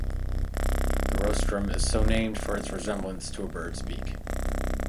The rostrum is so named for its resemblance to a bird's beak.